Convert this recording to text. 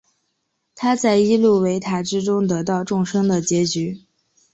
他从伊露维塔之中得知众生的结局。